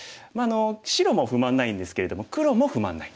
白も不満ないんですけれども黒も不満ないです。